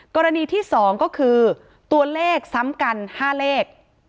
กรณีที่๒ก็คือตัวเลขซ้ำกัน๕เลข